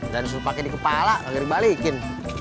dan disuruh pake di kepala agar dibalikin